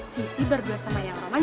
sisi berdua sama yang roman